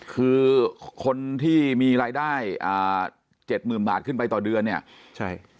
คือคนที่มีรายได้เจ็ดหมื่นบาทขึ้นไปต่อเดือนเนี่ยใช่